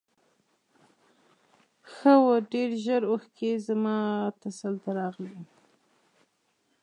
ښه و ډېر ژر اوښکې زما تسل ته راغلې.